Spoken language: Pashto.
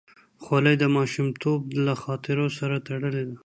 خولۍ د ماشومتوب له خاطرو سره تړلې ده.